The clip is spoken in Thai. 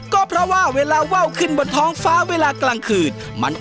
ก็เพราะว่าเวลาว่าวขึ้นบนท้องฟ้าเวลากลางคืน